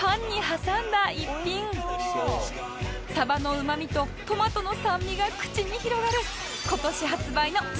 サバのうまみとトマトの酸味が口に広がる今年発売の新商品なんです